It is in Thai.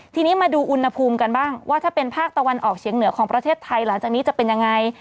ทีนี้มาดูอุณหภูมิกันบ้างว่าถ้าเป็นภาคตะวันออกเฉียงเหนือของประเทศไทยหลังจากนี้จะเป็นยังไง